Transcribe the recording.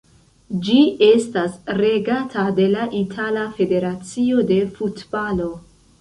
Ĝi estas regata de la Itala Federacio de Futbalo.